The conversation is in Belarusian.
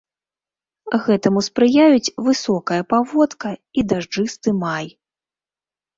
Гэтаму спрыяюць высокая паводка і дажджысты май.